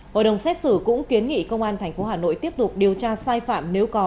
hội đồng xét xử cũng kiến nghị công an tp hà nội tiếp tục điều tra sai phạm nếu có